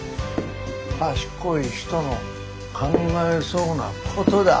賢い人の考えそうなことだ。